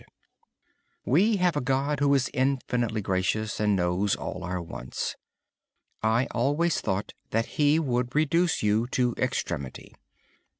Third Letter: We have a God who is infinitely gracious and knows all our wants. I always thought that He would reduce you to extremity.